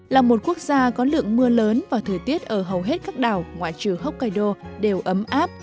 là một quốc gia có lượng mưa lớn và thời tiết ở hầu hết các đảo ngoại trừ hokkaido đều ấm áp